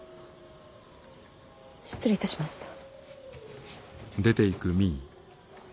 失礼いたしました。